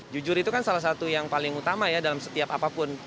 jujur itu kan salah satu yang paling utama ya dalam setiap apapun